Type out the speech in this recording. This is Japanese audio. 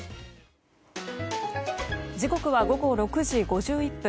時刻は午後６時５１分。